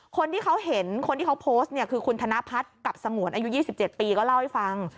คนที่เขาเห็นคนที่เขาโพสต์เนี่ยคือคุณธนพัฒน์กับสงวนอายุ๒๗ปีก็เล่าให้ฟัง